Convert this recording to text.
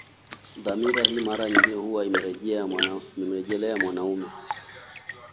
Dhana hii mara nyingi huwa inamrejelea mwanamume